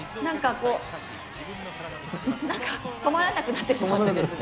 こう止まらなくなってしまってですね。